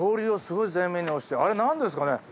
あれ何ですかね？